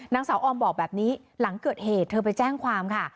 นางสาวออมบอกแบบนี้หลังเกิดเหตุเธอไปแจ้งความค่ะ